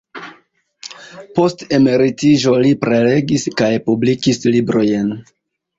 Post emeritiĝo li prelegis kaj publikis librojn.